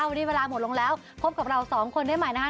วันนี้เวลาหมดลงแล้วพบกับเราสองคนได้ใหม่นะครับ